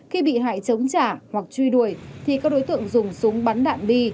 khi bị hại chống trả hoặc truy đuổi thì các đối tượng dùng súng bắn đạn bi